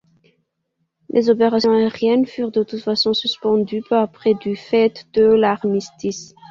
Les opérations aériennes furent de toute façon suspendues peu après du fait de l'armistice.